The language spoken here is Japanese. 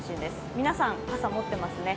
皆さん、傘持ってますね。